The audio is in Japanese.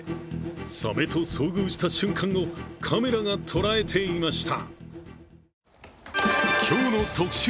さめと遭遇した瞬間をカメラが捉えていました。